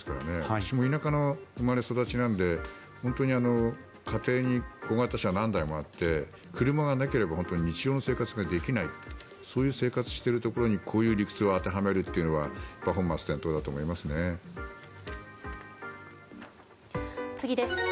私も田舎の生まれ育ちなので本当に家庭に小型車が何台もあって車がなければ日常の生活ができないそういう生活をしているところにこういう理屈を当てはめるのは本末転倒だと思いますね。